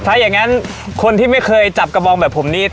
ถ้าอย่างนั้นคนที่ไม่เคยจับกระบองแบบผมนี้